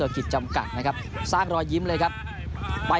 กำลังนั้นขันโบสถ์